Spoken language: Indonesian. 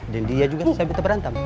dan dia juga sering bete berantem